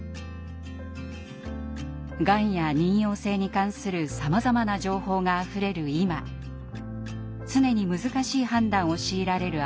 がんや妊よう性に関するさまざまな情報があふれる今常に難しい判断を強いられるＡＹＡ世代。